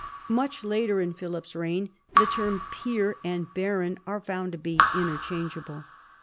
Much later in Philip's reign the terms peer and baron are found to be interchangeable.